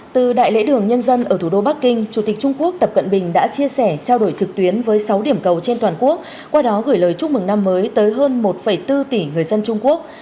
từ đại lễ đường nhân dân ở thủ đô bắc kinh chủ tịch trung quốc tập cận bình đã chia sẻ trao đổi trực tuyến với sáu điểm cầu trên toàn quốc qua đó gửi lời chúc mừng năm mới tới hơn một bốn tỷ người dân trung quốc